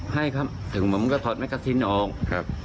ให้ครับถึงผมก็ถอดมีกัสซินขึ้นออก